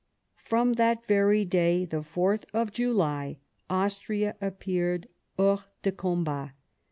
From that very day, the 4th of July, Austria appeared hors de combat.